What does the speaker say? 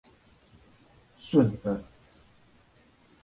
順耳